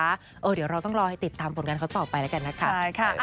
เดี๋ยวเราต้องรอให้ติดตามผลงานเขาต่อไปแล้วกันนะคะ